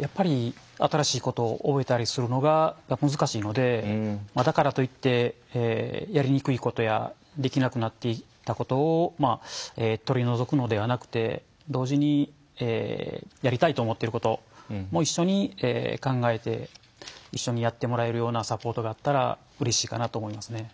やっぱり新しいことを覚えたりするのが難しいのでだからといってやりにくいことやできなくなっていったことを取り除くのではなくて同時にやりたいと思っていることも一緒に考えて一緒にやってもらえるようなサポートがあったらうれしいかなと思いますね。